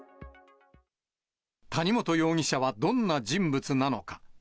谷本容疑者はどんな人物なのか。